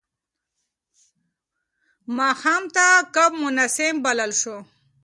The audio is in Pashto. ماښام ته کب مناسب بلل شو.